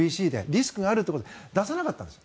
リスクがあるということで出さなかったんです。